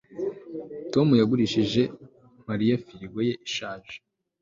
Tom yagurishije Mariya firigo ye ishaje